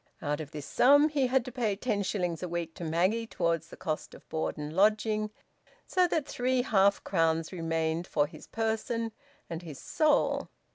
Out of this sum he had to pay ten shillings a week to Maggie towards the cost of board and lodging, so that three half crowns remained for his person and his soul.